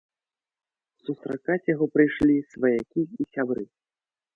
Сустракаць яго прыйшлі сваякі і сябры.